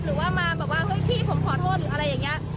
หรือว่ามาแบบว่าเฮ้ยพี่ผมขอโทษหรืออะไรอย่างนี้